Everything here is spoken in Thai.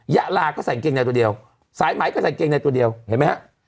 ยาลาก็ใส่กางเกงในตัวเดียวสายไหมก็ใส่เกงในตัวเดียวเห็นไหมฮะ